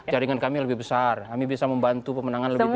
jaringan kami lebih besar kami bisa membantu pemenangan lebih banyak